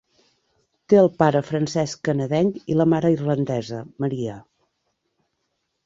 Té el pare francès-canadenc i la mare irlandesa, Maria.